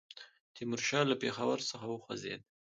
تیمورشاه له پېښور څخه وخوځېدی.